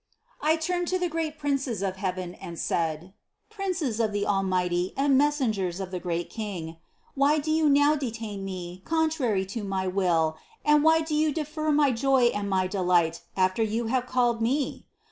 I turned to the great princes of heaven and said: "Princes of the Almighty and messengers of the great King! Why do you now de tain me contrary to my will and why do you defer my joy and my delight, after you have called me?